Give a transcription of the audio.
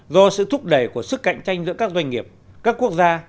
do sự thúc đẩy của sức cạnh tranh giữa các doanh nghiệp các quốc gia